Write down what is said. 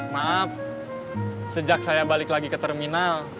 maaf sejak saya balik lagi ke terminal